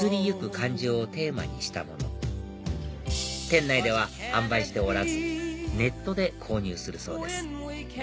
感情をテーマにしたもの店内では販売しておらずネットで購入するそうです